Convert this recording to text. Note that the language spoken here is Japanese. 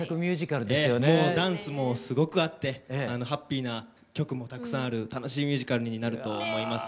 ダンスもすごくあってハッピーな曲もたくさんある楽しいミュージカルになると思います。